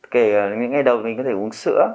kể cả ngay đầu mình có thể uống sữa